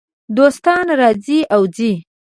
دوستان راځي او ځي .